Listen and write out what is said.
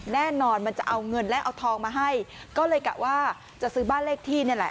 มันจะเอาเงินและเอาทองมาให้ก็เลยกะว่าจะซื้อบ้านเลขที่นี่แหละ